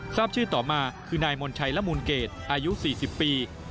ทราบชื่อต่อมาคือนายมนชัยละมูลเกตอายุ๔๐ปี